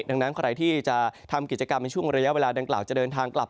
ดังนั้นใครที่จะทำกิจกรรมในช่วงระยะเวลาดังกล่าวจะเดินทางกลับ